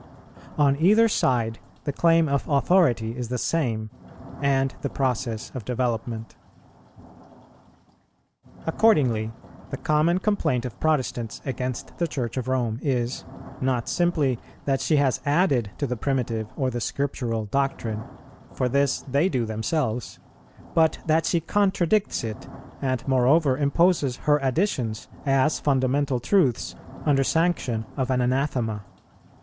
On either side the claim of authority is the same, and the process of development. Accordingly, the common complaint of Protestants against the Church of Rome is, not simply that she has added to the primitive or the Scriptural doctrine, (for this they do themselves,) but that she contradicts it, and moreover imposes her additions as fundamental truths under sanction of an anathema.